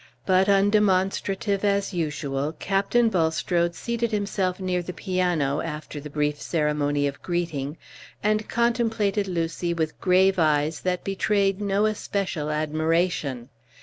But, undemonstrative as usual, Captain Bulstrode seated himself near the piano, after the brief ceremony of greeting, and contemplated Lucy with grave eyes that betrayed no especial admiration.